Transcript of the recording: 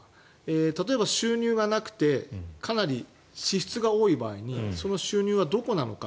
例えば、収入がなくてかなり支出が多い場合にその収入はどこなのか。